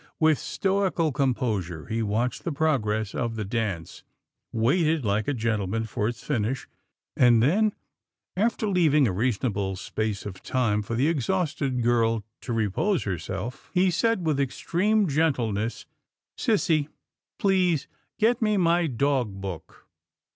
With stoical composure, he watched the progress of the dance, waited like a gentleman for its finish, and then, after leaving a reasonable space of time for the exhausted girl to repose herself, he said with extreme gentle ness, " Sissy, please get me my dog book."